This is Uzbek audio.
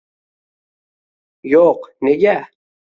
- Yo'q, nega?